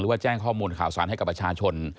ว่าแจ้งข้อมูลข่าวสารให้กับประชาชน